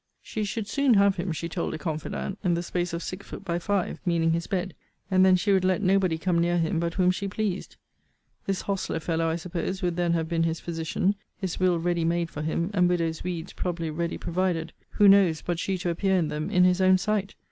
She should soon have him, she told a confidant, in the space of six foot by five; meaning his bed: and then she would let nobody come near him but whom she pleased. This hostler fellow, I suppose, would then have been his physician; his will ready made for him; and widows' weeds probably ready provided; who knows, but she to appear in them in his own sight?